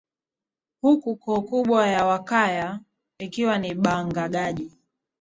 huku koo kubwa ya Wakwaya ikiwa ni Bhagangaji